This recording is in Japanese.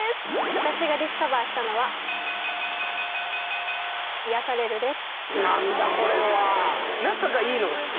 私がディスカバーしたのは○○癒やされるです